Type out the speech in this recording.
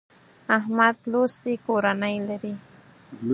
احمد لوستې کورنۍ لري.